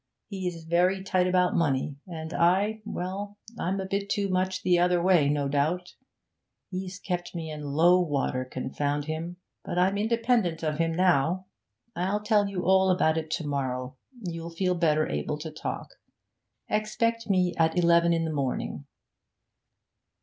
He's very tight about money, and I well, I'm a bit too much the other way, no doubt. He's kept me in low water, confound him! But I'm independent of him now. I'll tell you all about it to morrow, you'll feel better able to talk. Expect me at eleven in the morning.'